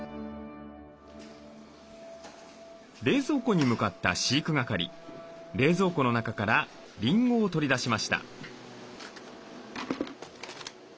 冷蔵庫に向かった飼育係冷蔵庫の中からリンゴを取り出しました。